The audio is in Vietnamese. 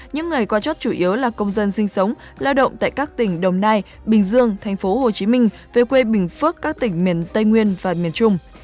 những người qua chốt chủ yếu là công dân sinh sống lao động tại các tỉnh đồng nai bình dương thành phố hồ chí minh về quê bình phước các tỉnh miền tây nguyên và miền trung